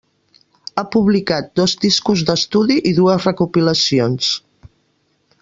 Ha publicat dos discos d'estudi i dues recopilacions.